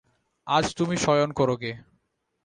আজ তুমি শয়ন করোগে।